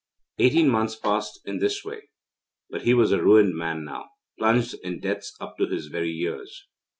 Eighteen months passed in this way. But he was a ruined man now plunged in debts up to his very ears.